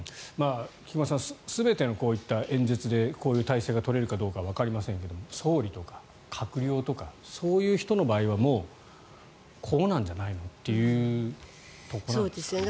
菊間さん全てのこういった演説でこういう体制が取れるかどうかはわかりませんが総理とか閣僚とかそういう人の場合はもうこうなんじゃないのというところなんですかね。